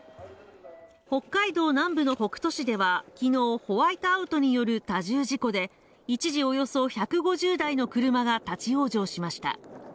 北海道南部の北斗市ではきのうホワイトアウトによる多重事故で一時およそ１５０台の車が立往生しました